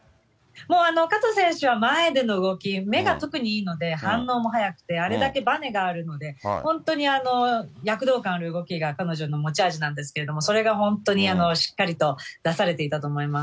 もう加藤選手は前での動き、目が特にいいので、反応も早くてあれだけばねがあるので、本当に躍動感ある動きが彼女の持ち味なんですけれども、それが本当にしっかりと出されていたと思います。